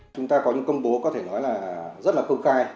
chúng ta có những công bố có thể nói là rất là công khai